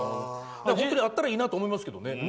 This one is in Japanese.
本当にあったらいいなと思いますけどね。